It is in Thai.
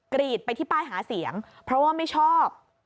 กรีดไปที่ป้ายหาเสียงเพราะว่าไม่ชอบ